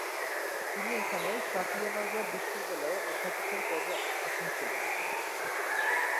তিনি এখানে সাপিয়েনজা বিশ্ববিদ্যালয়ে অধ্যাপকের পদে আসীন ছিলেন।